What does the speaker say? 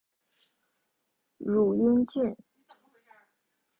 汝阴郡。